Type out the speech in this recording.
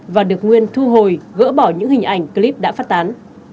và được nguyên thu hồi gỡ bỏ những hình ảnh clip đã phát tán